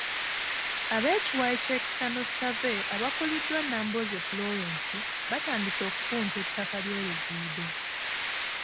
Ab’ekiwayi kya ‘External survey’ abakuliddwa Nambooze Florence batandise okupunta ettaka ly’oluguudo.